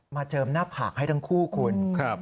เจิมหน้าผากให้ทั้งคู่คุณ